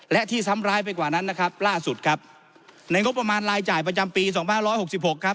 และที่ซ้ำร้ายไปกว่านั้นนะครับล่าสุดครับในงบประมาณลายจ่ายประจำปี๒๐๖๖ครับ